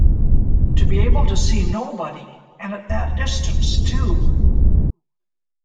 To be able to see Nobody! And at that distance, too!